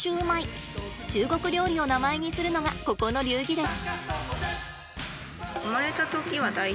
中国料理を名前にするのがここの流儀です。